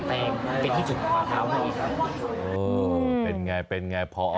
และก็สิ่งที่มันจะเป็นภาสุด